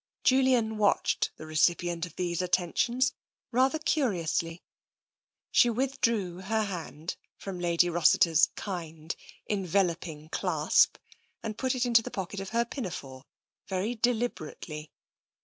Julian watched the recipient of these attentions rather curiously. She withdrew her hand from Lady Rossiter's kind, enveloping clasp and put it into the pocket of her pina fore very deliberately.